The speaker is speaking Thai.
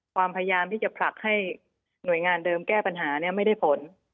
ความพยายามที่จะผลักให้หน่วยงานเดิมแก้ปัญหาไม่ได้ผล